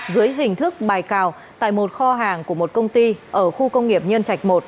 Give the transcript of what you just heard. dưới hình thức bài cào tại một kho hàng của một công ty ở khu công nghiệp nhân trạch một